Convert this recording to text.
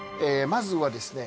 まずはですね